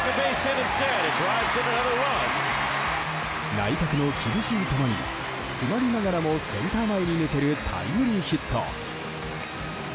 内角の厳しい球に詰まりながらもセンター前に抜けるタイムリーヒット。